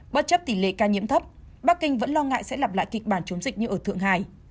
bất chấp tỷ lệ ca nhiễm thấp bắc kinh vẫn lo ngại sẽ lặp lại kịch bản chống dịch như ở thượng hải